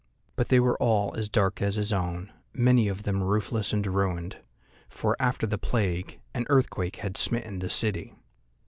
But they were all as dark as his own, many of them roofless and ruined, for, after the plague, an earthquake had smitten the city.